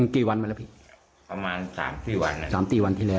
กี่วันมาแล้วพี่ประมาณสามสี่วันแล้ว๓๔วันที่แล้ว